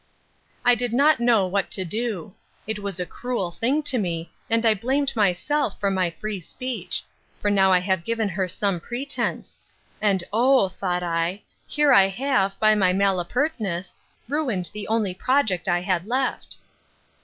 I did not know what to do. This was a cruel thing to me, and I blamed myself for my free speech; for now I have given her some pretence: and O! thought I, here I have, by my malapertness, ruined the only project I had left.